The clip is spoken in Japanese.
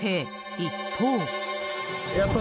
一方。